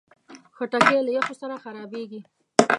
خټکی له یخو سره خرابېږي.